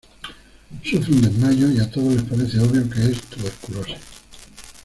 Sufre un desmayo y a todos les parece obvio que es tuberculosis.